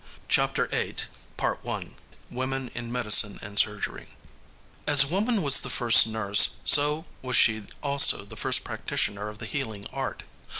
CHAPTER VIII WOMEN IN MEDICINE AND SURGERY As woman was the first nurse, so was she also the first practitioner of the healing art.